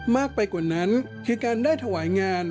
มากไปกว่านั้นคือการได้ถวายงาน